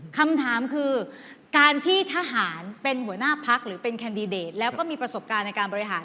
คำถามคือการที่ทหารเป็นหัวหน้าพักหรือเป็นแคนดิเดตแล้วก็มีประสบการณ์ในการบริหาร